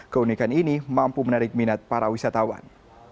keunikan ini mampu menarik minat para wisatawan